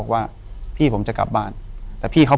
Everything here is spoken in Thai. อยู่ที่แม่ศรีวิรัยิลครับ